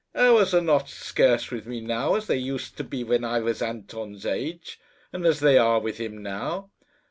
Hours are not scarce with me now, as they used to be when I was Anton's age, and as they are with him now.